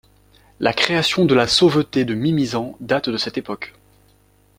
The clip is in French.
La création de la sauveté de Mimizan date de cette époque.